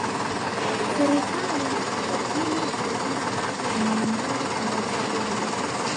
Serikali ijitahidi kuilinda hadhi ya Bagamoyo iliyokuwa nayo